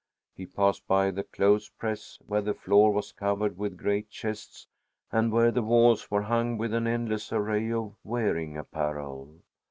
He passed by the clothes press, where the floor was covered with great chests and where the walls were hung with an endless array of wearing apparel.